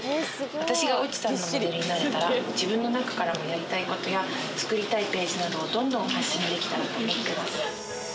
「私が『Ｏｇｇｉ』さんのモデルになれたら自分の中からのやりたいことや作りたいページなどをどんどん発信できたらと思ってます」